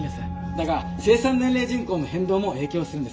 だが生産年齢人口の変動も影響するんです。